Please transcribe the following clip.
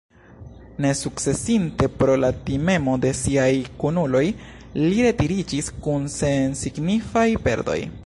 Nesukcesinte pro la timemo de siaj kunuloj, li retiriĝis kun sensignifaj perdoj.